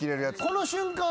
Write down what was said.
この瞬間